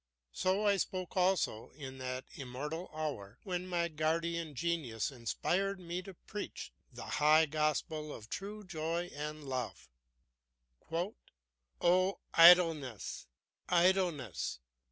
So I spoke also in that immortal hour when my guardian genius inspired me to preach the high gospel of true joy and love: "Oh, idleness, idleness!